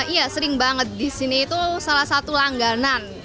ya sering banget disini itu salah satu langganan